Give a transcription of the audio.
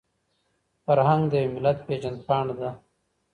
فرهنګ د يو ملت پېژندپاڼه ده.